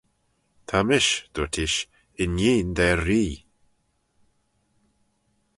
Ta mish, dooyrt ish, inneen da ree.